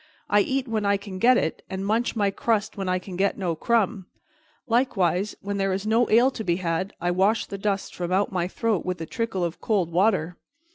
I eat when I can get it, and munch my crust when I can get no crumb; likewise, when there is no ale to be had I wash the dust from out my throat with a trickle of cold water.